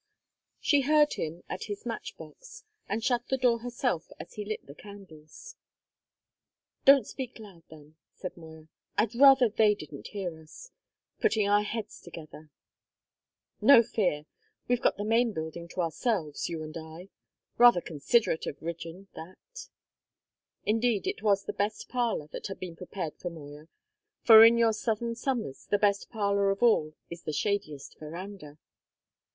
She heard him at his match box, and shut the door herself as he lit the candles. "Don't speak loud, then," said Moya. "I I'd rather they didn't hear us putting our heads together." "No fear. We've got the main building to ourselves, you and I. Rather considerate of Rigden, that." Indeed it was the best parlour that had been prepared for Moya, for in your southern summers the best parlour of all is the shadiest verandah.